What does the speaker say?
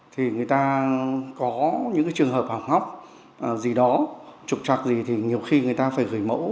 thì người ta có những trường hợp học học gì đó trục trạc gì thì nhiều khi người ta phải gửi mẫu